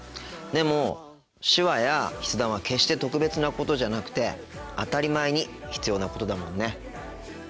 でも手話や筆談は決して特別なことじゃなくて当たり前に必要なことだもんね。